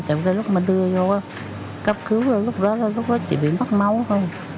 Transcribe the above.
tại lúc mà đưa vô cấp cứu lúc đó là lúc đó chị bị mất máu thôi